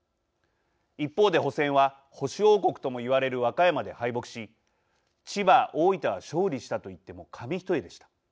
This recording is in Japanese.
一方で補選は保守王国とも言われる和歌山で敗北し、千葉、大分は勝利したと言っても紙一重でした。